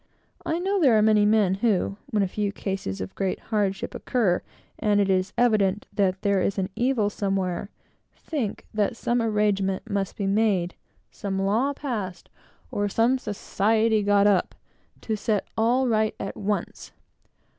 I know there are many men who, when a few cases of great hardship occur, and it is evident that there is an evil somewhere, think that some arrangement must be made, some law passed, or some society got up, to set all right at once.